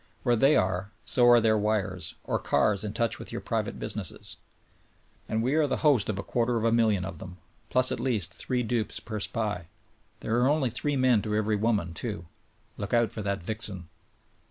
Where they are so are their wires, or ears in touch with your private business. And we are the host of a quarter of a million of them ; plus at least three dupes per SPY. There are only three men to every woman, too. Look out for that vixen